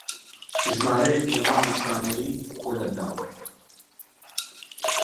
ژمارەیەک هونەرمەندی شانۆێکۆدەبنەوە